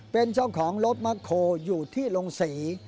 เป็นเจ้าของรถมะโคอยู่ที่โรงศรี